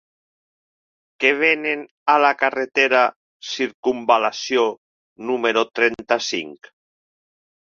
Què venen a la carretera Circumval·lació número trenta-cinc?